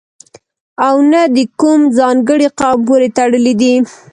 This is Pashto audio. او نه د کوم ځانګړي قوم پورې تړلی دی.